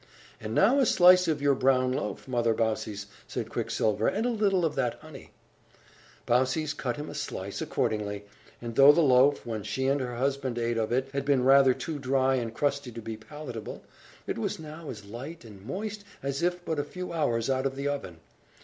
"And now a slice of your brown loaf, Mother Baucis," said Quicksilver, "and a little of that honey!" Baucis cut him a slice, accordingly; and though the loaf, when she and her husband ate of it, had been rather too dry and crusty to be palatable, it was now as light and moist as if but a few hours out of the oven.